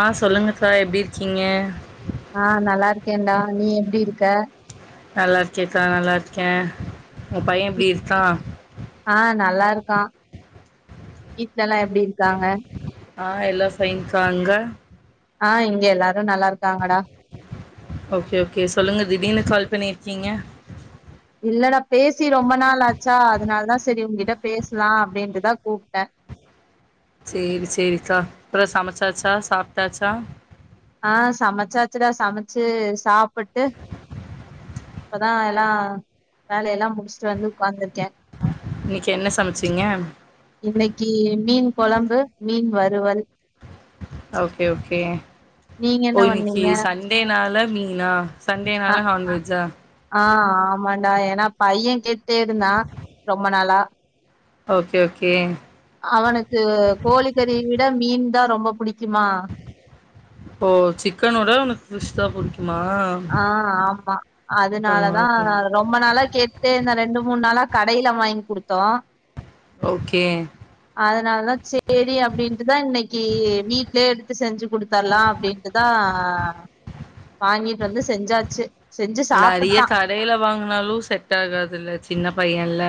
ஆ சொல்லுங்க தோழா எப்டிர்க்கீங்க? ஆ நல்லாருக்கேன்டா. நீ எப்டி இருக்க? நல்லார்க்கியாக்கா நல்லார்க்கே உங்க பைய வீ- எப்டிர்க்கா? ஆ நல்லாருக்கா. வீட்ல எல்லா எப்டி இருக்காங்க? ஆ எல்லா ஃபைன்க்கா. அங்க? ஆ இங்க எல்லாரு நல்லா இருக்காங்கடா. ஓகே ஓகே சொல்லுங்க திடீனு கால் பண்ணிர்க்கீங்க. இல்லடா பேசி ரொம்ப நாள் ஆச்சா அதனால்தா செரி உங்கிட்ட பேசலா அப்டின்ட்டுதா கூப்ட்டே. சேரி சேரிக்கா அப்றோ சமைச்சாச்சா சாப்ட்டாச்சா? ஆ சமைச்சாச்சுடா சமைச்சு சாப்புட்டு இப்பதா எல்லா வேலையெல்லா முடிச்சுட்டு வந்து உக்காந்திருக்கே. இன்னிக்கு என்ன சமைச்சீங்க? இன்னிக்கி மீன் கொழம்பு மீன் வறுவல். ஓகே ஓகே நீங்க என்ன ஒ இன்னிக்கி பண்ணீங்க சண் டேனால மீனா ஆ சண்டேனால நான்வெஜ்ஜா? ஆ ஆமாண்டா ஏனா பைய கேட்டேருந்தா ரொம்ப நாளா ஓகே ஓகே. அவனுக்கு கோழிக்கறிய விட மீன்தா ரொம்ப புடிக்குமா ஓ சிக்கன விட அவனுக் பிஷ்தா புடிக்குமா? ஆ ஆமா அதுனாலதா பரவால்ல பரவால்ல ரொம்ப நாளா கேட்டேருந்தா ரெண்டு மூன் நாளா கடையில வாய்ங் குடுத்தோ. ஓகே. அதனால தா சேரி அப்டின்ட்டுதா இன்னிக்கி வீட்லயே எடுத்து செஞ்சு குடுத்தரலா அப்டின் ட்டுதா வாங்கிட்டு வந்து செஞ்சாச்சு. செஞ்சு நறிய சாப்புட்டா கடைல வாங்குனாலு செட் ஆகாதுல்ல சின்ன பையல்ல.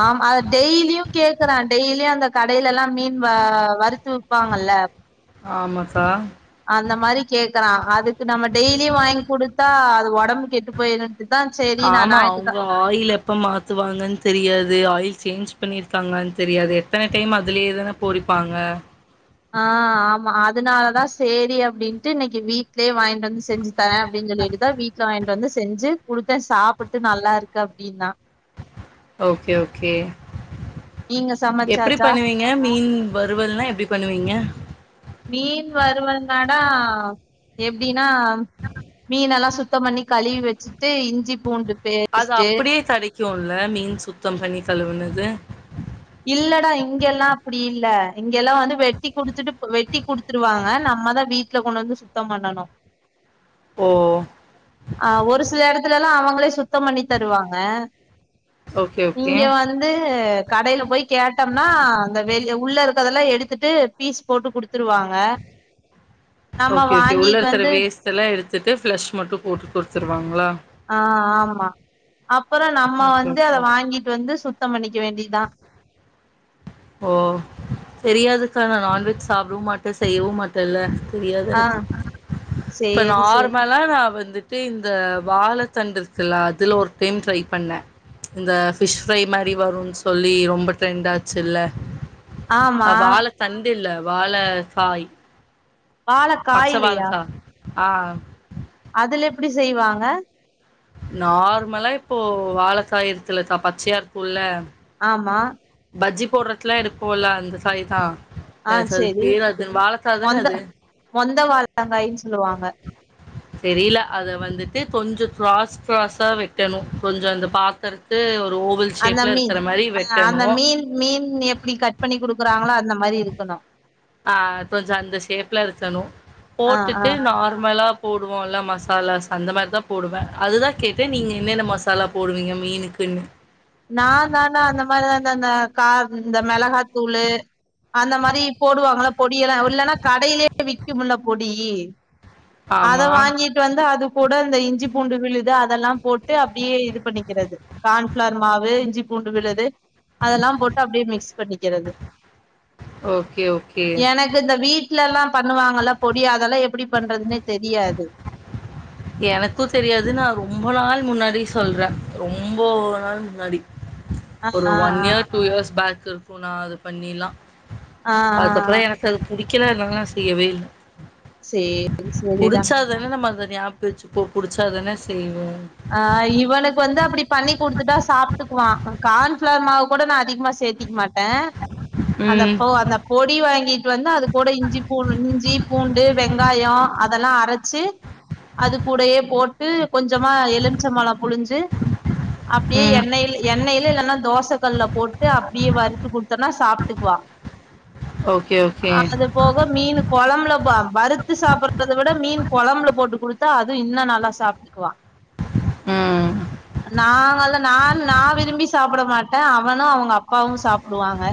ஆம் அத டெய்லியு கேக்குறா டெய்லியு அந்த கடையிலெல்லா மீன் வ வறுத்து வி ப்பாங்கல்ல ஆமக்கா அந்த மாரி கேக்கறா அதுக்கு நம்ம டெய்லியு வாங்கி குடுத்தா அது ஒடம்பு கெட்டு போயிரு இதான் சேர் ஆமா அவுங்கோ ஆயில் எப்போ மாத்துவாங்கன் தெரியாது ஆயில் சேஞ்ச் பண்ணியிருக்காங்ளா தெரியாது அத்தன டைம் அதுலேயே தான பொறிப்பாங்க ஆ ஆமா அதனாலதா சேரி அப்டின்ட்டு இன்னைக்கி வீட்லயே வாங் வந்து செஞ்சு தரே அப்டின் சொல்லிட்டுதா வீட்ல வாங்கிட்டு வந்து செஞ்சு குடுத்தே சாப்ட்டுட்டு நல்லாருக்கு அப்டின்னா ஓகே ஓகே நீங்க எப்டி சமச்சாச்சா பண்ணுவீங் ஏ மீன் வறுவல்னா எப்பிடி பண்ணுவீங்க மீன் வருவல்னடா எப்டினா மீன்னெல்லா சுத்தம் பண்ணி கழுவி வச்சிட்டு இஞ்சி பூண்டு அது பேஸ்ட்டு அப்டியே கெடைக்குல்ல மீன் சுத்தம் பண்ணி கழுவுனது இல்லடா இங்கெல்லா அப்பிடியில்ல இங்கெல்லா வந்து வெட்டி குடுத்துட்டு இப் வெட்டி குடுத் குடுத்துருவாங்க நம்மதா வீட்ல கொண்டு வந்து சுத்தம் பண்ணணு ஓ ஆ ஒரு சில எடத்துலலா அவங்களே சுத்தம் பண்ணி தருவாங்க ஓகே ஓகே இங்க வந்து கடையில போய் கேட்டோம்னா அந்த வெளி உள்ளருக்கதெல்லா எடுத்துட்டு பீஸ் போட்டு குடுத்துருவாங்க நம்ம வாங்கிட்டு வந்து இதெல்லா எடுத்துட்டு ஃப்ளெஷ் மட்டும் போட்டு குடுத்துருவாங்களா ஆ ஆமா அப்புறோ நம்ம ஓகே வந்து அத ஓகே வாங்கிட்டு வந்து சுத்தம் பண்ணிக்க வேண்டியதா ஓ தெரியாதுக்கா நா நான்வெஜ் சாப்டவு மாட்டே செய்யவு மாட்டே தல்ல தெரியாது ஆ எனக்கு இப்ப சேரி சேரி நார்மலா நா வந்துட் ட்டு இந்த வாழைத்தண்டு இருக்குல்ல அதுல ஒரு டைம் ட்ரை பண்ணே இந்த ஃபிஷ் ஃப்ரை மாறி வருன்னு சொல்லி ரொம்ப ட்ரெண்ட்டாச்சுல்ல ஆமா அ வாழத்தண்டு இல்ல வாழக்காய் பச்ச வாழக்காயிலையா வாழக்கா ஆ அதுல எப்டி செய்வாங்க நார்மலா இப்போ வாழக்காய் இருக்குல்லக்கா பச்சையாருக்குல்ல ஆமா பஜ்ஜி போட்றதுக்குலா இருக்குல்ல அந்த சாவி தா ஆ எனக்கு அது சேரி பேர் அது வாழக்காதான மொந்த அது மொந்த வாழக்காயின்னு சொல்லுவாங்க தெரில அத வந்துட்டு கொஞ்சோ க்ராஸ் க்ராஸா வெட்டணு கொஞ்சோ அந்த பாக்கறதுக்கு ஒரு ஓவல் அந்த ஷேப்ல மீன் இருக்கிற மாரி அ வெட்டணு அந்த மீன் மீன் எப்படி கட் பண்ணி குடுக்குறாங்களோ அந்த மாறி இருக்கணு அ கொஞ்சோ அந்த ஷேப்ல இருக்கணு ஆ ஆ போட்டுட்டு நார்மலா போடுவோல்ல மசாலாஸ் அந்த மாரி தா போடுவே அதுதா கேட்டே நீங்க என்னென்ன மசாலா போடுவீங்க மீனுக்குன்னு நா தானா அந்த மாரிதா இந்த அந்த கா இந்த மெளகாத்தூளு அந்த மாரி போடுவாங்கள பொடியெல்லா இல்லேன்னா கடையிலயே விக்குமில்ல பொடி அத ஆமா வாங்கிட்டு வந்து அது கூட இந்த இஞ்சி பூண்டு விழுது அதெல்லா போட்டு த்து அப்டியே இது பண்ணிக்கிறது கான் ஃப்ளார் மாவு இஞ்சி பூண்டு விழுது அதெல்லா போட்டு அப்டியே மிக்ஸ் பண்ணிக்கிறது ஓகே ஓகே எனக்கு இந்த வீட்லல்லா பண்ணுவாங்கல்ல பொடிய அதெல்லா எப்படி பண்றதுன்னே தெரியாது எனக்குத் தெரியாது நா ரொம்ப நாள் முன்னாடி சொல்றே ரொம்போ நாள் முன்னாடி ஆ ஒரு ஆ one year two years back இருக்கு நா அது பண்ணிலா ஆ ஆ ஆ அதுக்கப்றோ ஆ எனக்கு அது புடிக்கல அத்னால நா செய்யவே இல்ல சேரி சேரிடா இல்லன்னா நம்ம அத நியாபக வெச்சுப்போ புடிச்சாதானே செய்வோ ஆ இவனுக்கு வந்து அப்டி பண்ணி குடுத்துட்டா சாப்ட்டுக்குவா கான்ப்ளார் மாவுகூட நா அதிகமா சேத்திக்க மாட் ட அந்த ம் போ அந்தப் பொடி வாங்கிட்டு வந்து அதுகூட இஞ்சி பூ இஞ்சி பூண்டு வெங்காயோ அதெல்லா அரச்சு அது கூடயே போட்டு கொஞ்சமா எலும்ச்சப்பழோ புழிஞ்சு அப்டியே ம் எண்ணெய்ல எண்ணெயில இல்லன்னா தோச கல்ல போட்டு அப்டியே வறுத்து குடுத்தோனா சாப்ட்டுக்குவா ஓகே ஓகே அது போக மீனு கொழம்புல வ வறுத்து சாப்ட்றத விட மீன் கொழம்புல போட்டு குடுத்தா அது இன்னு நல்லா சாப் க்குவா ம் நாங்கல்லா நா நா விரும்பி சாப்பட மாட்டே அவனு அவுங்க அப்பாவு சாப்புடுவாங்க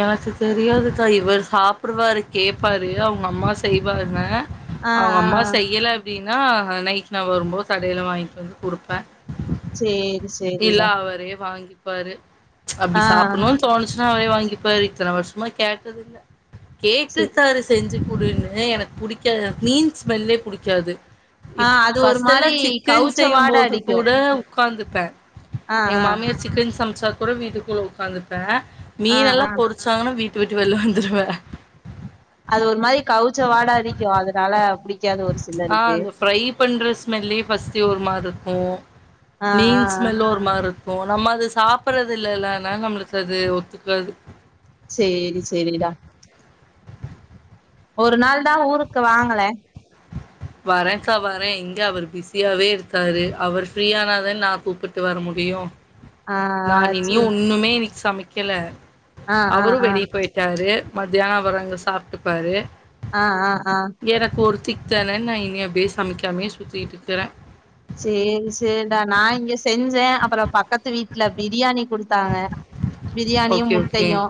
எனக்கு தெரியாதுக்கா இவர் சாப்புடுவாரு கேப்பாரு அவுங்க அம்மா செய்வாங்க ஆ அவுங்க ஆ அம்மா ஆ செய்யல அப்டினா நைட்டு நா வரும்போ கடைல வாங்கிட்டு வந்து குடுப்பே சேரி இல்ல சேரிடா அவரே வாங்கிட் பாரு அப்டி ஆ சாப்புட்ணுன் தோணுச்சுனா அவரே வாங்கிப்பாரு இத்தன வர்ஷமா கேட்டதில்ல சே கேட்ருக்காரு செஞ்சு குடுன்னு எனக்கு புடிக்காது மீன் ஸ்மெல்லே புடிக்காது ஆ இப் அது ஒரு மாரி ஃபஸ்ட்டல்லா சிக்கன் கவுச்ச வாட அடிக்கு செய்யும்போதுகூட உக்காந்துப்பே ஆ எங்க ஆ மாமியார் சிக்கன் சமச்சாகூட வீட்டுக்குள்ள உக்காந்துப்பே ஆ மீன்னெல்லா ஆ பொறிச்சாங்கனா வீட்ட விட்டு வெள்ல வந்துருவே அது ஒரு மாரி கவுச்ச வாடா அடிக்கு அதுனால ஆ அந்த ஃப்ரை பண்ற ஸ்மெல்லே ஃபஸ்ட்டு ஒரு மாரி இருக்கு ஆ ஆ மீன் ஆ ஸ்மெல்லு ஒரு மார் இருக்கு நம்ம அது சாப்பட்றது இல்லல்ல அத்னால நம்ளுக்கு அது ஒத்துக்காது சேரி சேரிடா ஒரு நாள்தா ஊருக்கு வாங்கல வரேக்கா வரே இங்க அவரு பிஸியாவே இருக்காரு அவரு ஃப்ரீயானாதான் நா கூப்புட்டு வர முடியு ஆ ஆ நா இன்னியு சேரி ஒன்னுமே இன்னிக் சமைக் கல ஆ ஆ அவரு ஆ வெளியே போய்ட்டாரு மத்யானோ அவரங்க சாப்ட்டுப்பாரு ஆ ஆ ஆ எனக் ஒருத்திக் தானே நா இனி அப்டியே சமைக்காமே சுத்திட்ருக்கிறே சேரி சேரிடா நா இங்க செஞ்சே அப்புறோ பக்கத்து வீட்ல பிரியாணி குடுத் தாங்க பிரியாணியு ஓகே ஓகே முட்டையு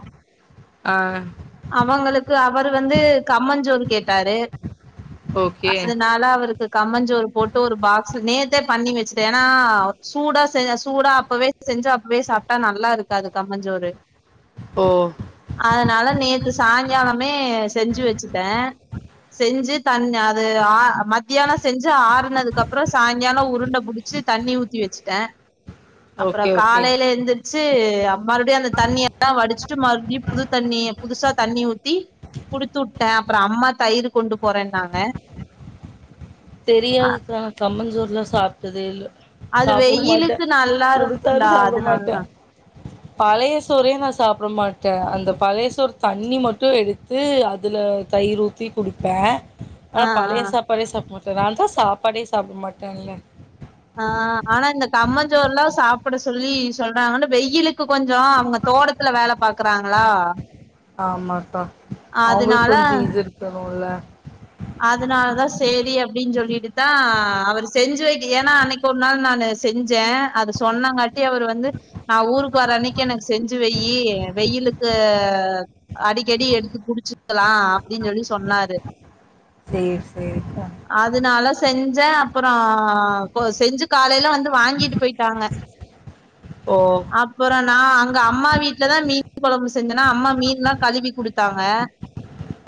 ஆ அவங்களுக்கு அவரு வந்து கம்மஞ் ஜோரு கேட்டாரு ஓகே அதுனால் ல அவுருக்கு கம்மஞ்சோரு போட்டு ஒரு பாக் சோ நேத்தே பண்ணி வெச்சட்டே எனா சூடா செ சூடா அப்பவே செஞ்சு அப்பவே சாப் டா நல்லாருக்காது கம்மஞ்சோரு ஓ அதனால நேத்து சாய்ங்காலமே செஞ்சு வெச்சுட்டே செஞ்சு தன் அது ஆ மத்தியானோ செஞ்சு ஆறுனதுக்கப் றோ சாய்ங்காலோ உருண்ட புடிச்சு தண்ணி ஊத்தி வெச்சுட்டே அப்புறோ ஓகே ஓகே காலைல எந்திரு ச்சு மறுப்டியு அந்த தண்ணியலா வடிச்சுட்டு மறுப்டியு புது தண்ணி புதுசா தண்ணி ஊத்தி குடுத்துட்டே அப்புறோ அம்மா தயிரு கொண்டு போறேன்னாங்க தெரியாதுக்கா கம்மஞ்சோறுலா சாப்ட்தே இல்ல அது சாப்டவு மாட்டே வெயிலுக்கு நல்லா இருக்கோடா குடுத்தாலு சாப்ட மாட்டே அதனாலதா பழைய சோறே நா சாப்ட மாட்டே அந்த பழைய சோறு தண்ணி மட்டு எடுத்து அதுல தயிரு ஊத்தி குடிப்பே ஆ ஆனா பழைய ஆ சாப்பாடே சாப்ட மாட்டே நா தா சாப்பாடே சாப்ட மாட்டேன்ல ஆ ஆனா இந்த கம்மஞ்சோறுலா சாப்புட சொல்லி சொல்றாங்கனு வெயிலுக்கு கு கொஞ்சோ அவுங்க தோட்டத்துல வேல பாக்கறாங்களா மாட்டோ அவுங்குளுக்கு கொஞ்சோ இது இருக்கணோல அதனால தா செரி அப்டின்னு சொல்லிட்டுதா அவரு செஞ்சு வெக்க ஏன்னா அன்னிக்கு ஒரு நாள் நானு செஞ்சே அது சொன்னாங்காட்டியு அவரு வந்து நா ஊருக்கு வர அன்னிக்கு எனக்கு செஞ்சு வெய்யி வெயிலுக்கு அடிக்கடி எடுத்து குடிச்சுக்கலா அப்டின் சொல்லி சொன்னாரு சேரி சேரிக்கா அதனால செஞ்சே அப்புறோ கொ செஞ்சு காலையில வந்து ந்து வாங்கிட்டு போயிட்டாங்க ஓ அப் அப்புறோ நா அங்க அம்மா வீட்லதா மீன் கொழம்பு செஞ்சேனா அம்மா மீன்லா கழுவி குடுத்தாங்க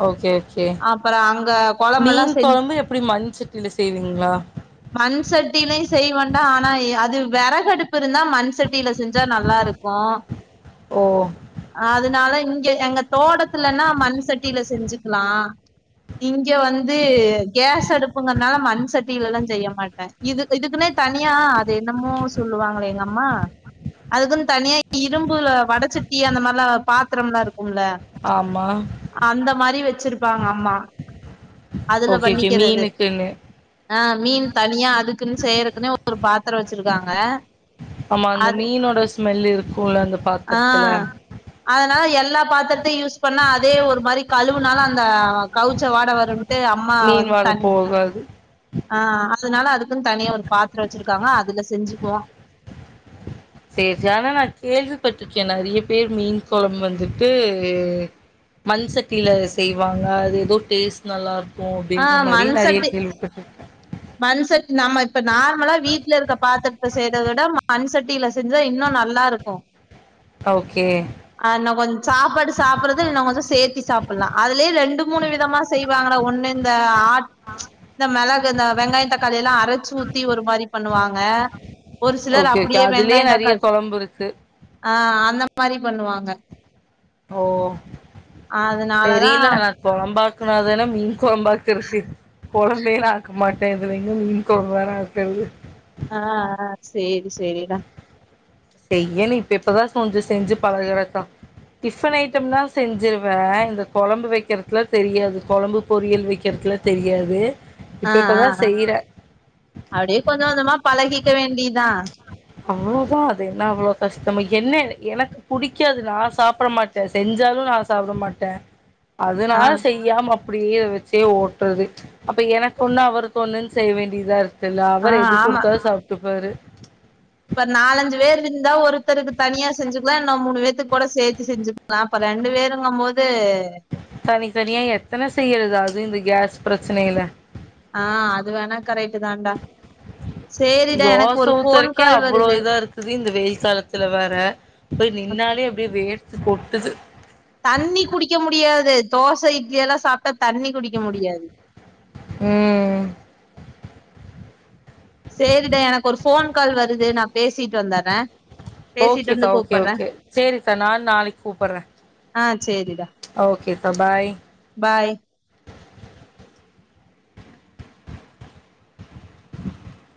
ஓகே ஓகே அப்புறோ அங்க கொழம்பெல்லா மீன் செஞ் கொழம்பு எப்படி மண் சட்டியில செய்வீங்களா மண் சட்டிலயு செய்வேன்டா ஆனா அது வெறகடுப் பு இருந்தா மண் சட்டியில செஞ்சா நல்லா இருக்கோ ஓ. அதனால இங்க எங்க தோட்டத்துலன்னா மண் சட்டியில செஞ்சுக்கலா இங்க வந்து கேஸ் அடுப்புங்கறனால மண் சட்டிலலா செய்ய மாட்டே இது இதுக்குன்னே தனியா அது என்னமோ சொல்லுவாங்களே எங்க அம்மா அதுக்குன்னு தனியா இரும்புல வடச்சட்டி அந்த மாரிலா பாத்திரம்லா இருக்கும்ல ஆமா அந்த மாரி வெச்சிருப்பாங்க அம்மா அதுல ஓகே ஓகே பண்ணிக்கிறது மீனுக்குன்னு ஆ மீன் தனியா அதுக்குன்னு செய்யறதுக்குன்னே ஒரு பாத்தரோ வெச்சிருக்காங்க ஆமா அந்த மீனோட ஸ்மெல் இருக்கோல அந்த பாத்திரத்துல ஆ அதனால எல்லா பாத்திரத்தையு யூஸ் பண்ணா அதே ஒரு மாதிரி கழுவுனால அந்த கவுச்ச வாட வருன் ட்டு அம்மா வந்து தனி வருது ஆ அதனால அதுக்குன்னு தனியா ஒரு பாத்தரோ வெச்சிருக்காங்க அதுல செஞ்சுக்குவோ செரி ஆனா நா கேள்விப்பட்ருக்கே நறைய பேர் மீன் கொளம்பு வந்துட்டு மண் சட்டியில செய்வாங்க அது ஏதோ டேஸ்ட் நல்லா இருக்கோ ஆ அப்டீன்ற மாரி நறைய கேள்விப்பட்ருக் மண் சட்டி நம்ம இப்ப நார்மலா வீட்ல இருக்க பாத்திரத்த செய்றத விட மண் சட்டியில செஞ்சா இன்னோ நல்லா இருக்கோ ஓகே ஆ இன்னோ கொஞ் சாப்பாடு சாப்படுறது இன்னோ கொஞ்சோ சேத்தி சாப்புட்லா அதுலயே ரெண்டு மூணு வி தமா செய்வாங்களா ஒண்ணு இந்த ஆட் இந்த மெளகு இந்த வெங்காயோ தக்காளி எல்லா அரச் சு ஊத்தி ஒரு மாரி பண்ணுவாங்க ஒரு சிலர் ஓகே ஓகே அப்டியே அதுலயே வெங்காயோ நெறைய தக்காள் கொழம்பு இருக்கு ஆ அந்த மாரி பண்ணுவாங்க ஓ அதனாலதா தெரியுல நா கொழம்பாக்கனாதானே மீன் கொழம்பா க்ருக்கு கொழம்பேலா நா ஆக்க மாட்டே இதுல எங்க மீன் கொழம்பு வேற ஆக்கறது ஆ ஆ செரி செரிடா செய்யல இப்ப இப்பதா கொஞ்சு செஞ்சு பழகுறேக்கா டிஃபன் ஐட்டம் தா செஞ்சிருவே இந்த குழம்பு வைக்கிறதுல தெரியாது குழம்பு பொரியல் வைக்கிறதல தெரியாது ஆ இப்ப இப்பதா ஆஆ செய்றே அப்படியே கொஞ்சோ கொஞ்சமா பழகிக்க வேண்டிதா அவ்வளோதா அது என்ன அவ்ளோ கஷ்டம என்ன எனக்கு பிடிக்காது நா சாப்ட மாட்டே செஞ்சாலு நான சாப்ட மாட்டே ஆ அதுனால செய் அப்டியே வச்சே ஓட்டுறது அப்ப எனக்கு ஒண்ணு அவருக்கு ஒண்ணுனு செய்ய வேண்டியதா இருக்கு எல்ல ஆ அவரு எது ஆமா கொடுத்தாலு சாப்பிட்டுப்பாரு இப்ப நாலஞ்சு பேர் இருந்தா ஒருத்தருக்கு தனியா செஞ்சுக்கலா இன்னா மூணு பேத்துக்கு கூட சேத்து செஞ்சக்கலா நா இப்ப ரெண்டு பேருங்போது தனித்தனியா எத்தன செய்யறது அதுவு இந்த கேஸ் பிரச்சனையில ஆ அது வேணா கரெக்ட் தான்டா சரிடா எனக்கு தோச ஒரு போன் ஊத்தறக்கே கால் அவ்ளோ வருது இதா இந்த வெயில் காலத்துல வேற போய் நின்னாலே அப்டியே வேர்த்து கொட்டுது தண்ணி குடிக்க முடியாது தோசை இட்லி எல்லா சாப்ட்டா தண்ணி குடிக்க முடியாது உ சேரிட எனக்கு ஒரு போன் கால் வருது நா பேசிட்டு வந்துறே ஓகே கா ஓகே ஓகே சேரி கா நானு நாளைக்கு கூப்பிடுறே ஆ சேரிடா ஓகே கா பாய் பாய் [inaudible]